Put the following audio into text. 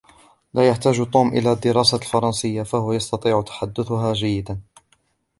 لا يحتاج توم إلى دراسة الفرنسية ، فهو يستطيع تحدثها جيدا.